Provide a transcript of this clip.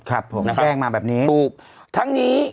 แกล้งมาแบบนี้